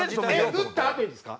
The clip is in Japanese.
打ったあとにですか？